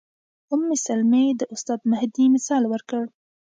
ام سلمې د استاد مهدي مثال ورکړ.